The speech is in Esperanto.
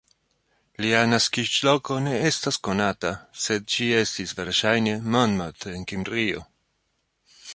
Lia naskiĝloko ne estas konata, sed ĝi estis verŝajne Monmouth en Kimrio.